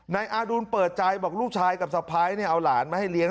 นายอาดุลเปิดใจบอกลูกชายกับสะพ้ายเอาหลานมาให้เลี้ย